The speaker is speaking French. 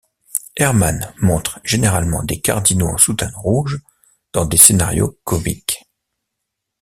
Hermann montre généralement des cardinaux en soutane rouge dans des scénarios comiques.